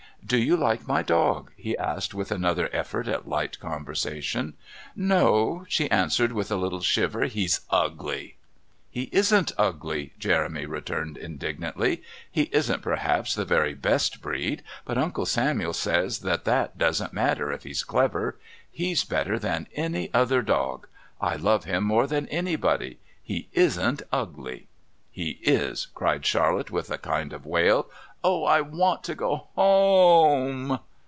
"Do you like my dog?" he asked, with another effort at light conversation. "No," she answered, with a little shiver. "He's ugly." "He isn't ugly," Jeremy returned indignantly. "He isn't perhaps the very best breed, but Uncle Samuel says that that doesn't matter if he's clever. He's better than any other dog. I love him more than anybody. He isn't ugly!" "He is," cried Charlotte with a kind of wail. "Oh! I want to go home."